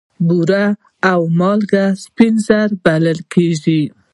بوره او مالګه سپین زهر بلل کیږي.